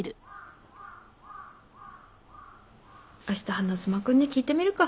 あした花妻君に聞いてみるか。